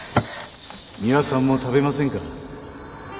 ミワさんも食べませんか。